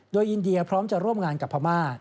โดยอินเดียพร้อมจะร่วมงานกับพม่า